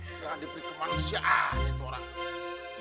sudah diberi kemanusiaan itu orang